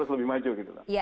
terus lebih maju gitu